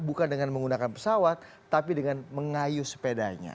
bukan dengan menggunakan pesawat tapi dengan mengayu sepedanya